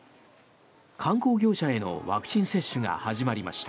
観光業者へのワクチン接種が始まりました。